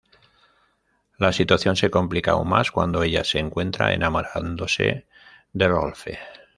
La situación se complica aún más cuando ella se encuentra enamorándose de Rolfe.